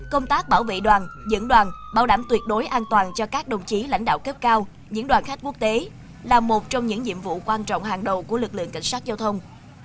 công tác bảo vệ đoàn dẫn đoàn bảo đảm tuyệt đối an toàn cho các đồng chí lãnh đạo cấp cao những đoàn khách quốc tế là một trong những nhiệm vụ quan trọng hàng đầu của lực lượng cảnh sát giao thông